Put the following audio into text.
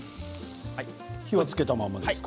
火はつけたままですか。